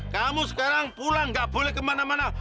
kamu sekarang pulang gak boleh kemana mana